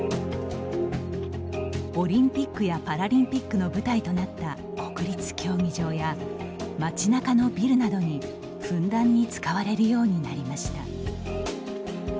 オリンピックやパラリンピックの舞台となった国立競技場や町なかのビルなどに、ふんだんに使われるようになりました。